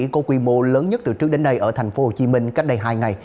có quy mô lớn nhất từ trước đến nay ở tp hcm cách đây hai ngày